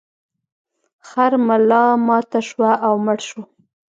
خر ملا ماته شوه او مړ شو.